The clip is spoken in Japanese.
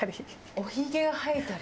お髭が生えたり？